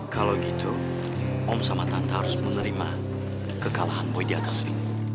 kalau gitu om sama tantenta harus menerima kekalahan boy di atas ini